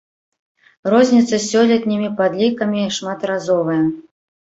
Розніца з сёлетнімі падлікамі шматразовая.